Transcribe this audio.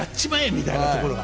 みたいなところが。